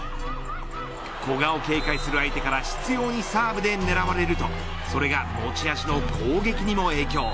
古賀を警戒する相手から執拗にサーブで狙われるとそれが、持ち味の攻撃にも影響。